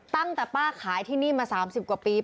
ตั้งแต่ป้าขายที่นี่มา๓๐กว่าปี